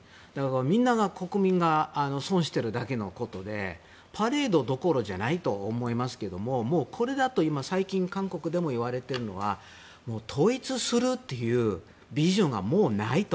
みんなが国民が損しているだけのことでパレードどころじゃないと思いますけどもこれだと今最近、韓国でも言われているのは統一するというビジョンがもうないと。